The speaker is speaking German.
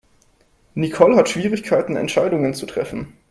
Nicole hat Schwierigkeiten Entscheidungen zu treffen.